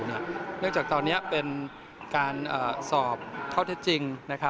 เนื่องจากตอนนี้เป็นการสอบข้อเท็จจริง